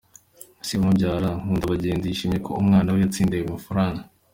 Se umubyara, Nkundabagenzi yishimiye ko umwana we yatsindiye ayo mafaranga.